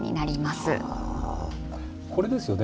これですよね。